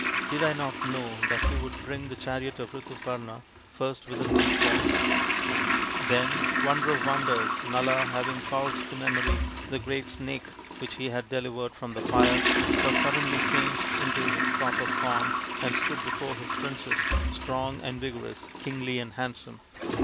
Did I not know that you would bring the chariot of Ritu parna first within these walls ?" Then, wonder of wonders, Nala, having called to memory the great snake which he had delivered from the fire, was suddenly changed into his proper form and stood before his princess strong and vigorous, kingly and handsome.